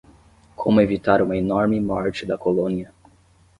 Como evitar uma enorme morte da colônia.